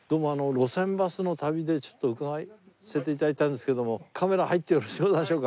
『路線バスの旅』で伺わせて頂いたんですけどもカメラ入ってよろしゅうございましょうか？